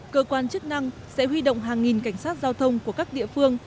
cơ quan chức năng sẽ huy động hàng nghìn cảnh sát giao thông của các địa phương